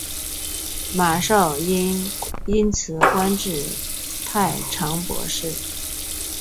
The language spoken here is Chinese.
马韶因此官至太常博士。